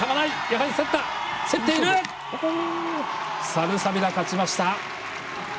サルサビラ、勝ちました。